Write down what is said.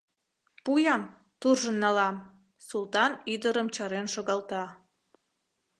Пу-ян, туржын налам, — Султан ӱдырым чарен шогалта.